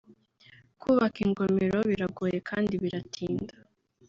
Kubaka ingomero biragoye kandi biratinda